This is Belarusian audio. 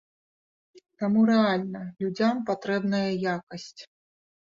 Таму рэальна людзям патрэбная якасць.